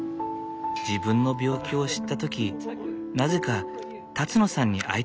自分の病気を知った時なぜか辰野さんに会いたくなった。